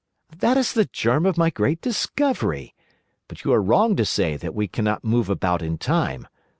"That is the germ of my great discovery. But you are wrong to say that we cannot move about in Time.